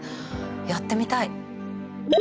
やってみたい！